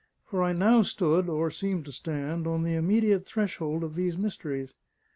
For I now stood, or seemed to stand, on the immediate threshold of these mysteries.